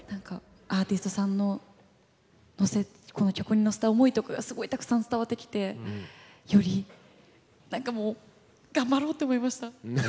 アーティストさんのこの曲にのせた思いとかがすごいたくさん伝わってきてより何かもう頑張ろうって思いました。